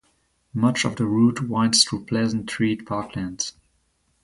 Much of the route winds through pleasant treed parklands.